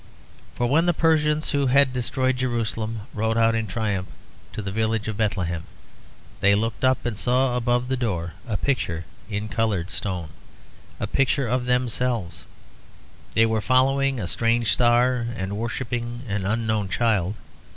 For when the Persians who had destroyed Jerusalem rode out in triumph to the village of Bethlehem, they looked up and saw above the door a picture in coloured stone, a picture of themselves. They were following a strange star and worshipping an unknown child.